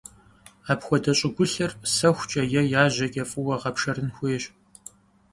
Апхуэдэ щӀыгулъыр сэхукӀэ е яжьэкӀэ фӀыуэ гъэпшэрын хуейщ.